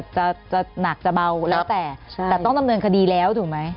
จะหนักจะเบาแล้วแต่แต่ต้องดำเนินคดีแล้วถูกไหม